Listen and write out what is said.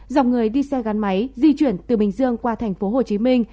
dòng người đi xe gắn máy di chuyển từ bình dương qua thành phố hồ chí minh